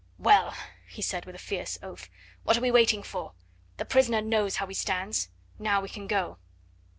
"Well!" he said with a fierce oath, "what are we waiting for? The prisoner knows how he stands. Now we can go."